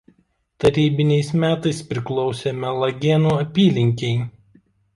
Tarybiniais metais priklausė Mielagėnų apylinkei.